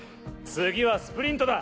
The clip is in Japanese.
次はスプリントだ。